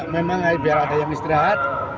memang biar ada yang istirahat